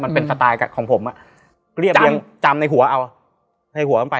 มันเป็นสไตล์ของผมอ่ะเรียบยังจำในหัวเอาในหัวมันไป